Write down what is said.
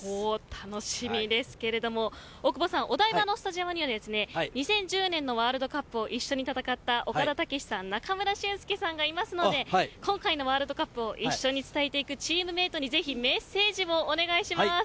楽しみですがお台場のスタジオには２０１０年のワールドカップを一緒に戦った岡田武史さん中村俊輔さんがいますので今回のワールドカップを一緒に伝えていくチームメイトにぜひメッセージをお願いします。